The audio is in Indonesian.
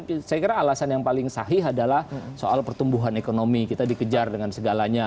saya kira alasan yang paling sahih adalah soal pertumbuhan ekonomi kita dikejar dengan segalanya